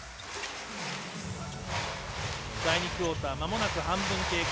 第２クオーターまもなく半分経過。